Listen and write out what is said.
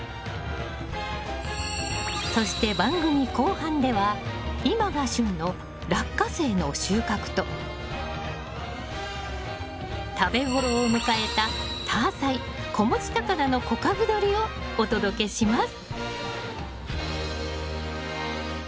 そして番組後半では今が旬のラッカセイの収穫と食べ頃を迎えたタアサイ子持ちタカナの小株どりをお届けします！